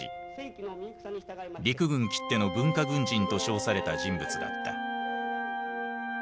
陸軍きっての文化軍人と称された人物だった。